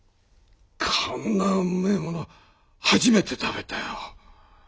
こんなうめえもの初めて食べたよ。